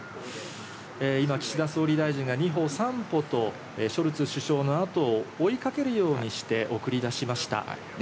今、岸田総理大臣が二歩三歩とショルツ首相の後を追いかけるようにして送り出しました。